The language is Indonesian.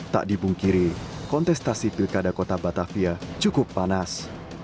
tak dipungkiri kontestasi pilkada kota batavia cukup panas